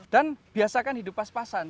dan biasakan hidup pas pasan